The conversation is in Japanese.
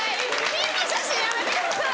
ピンの写真やめてください！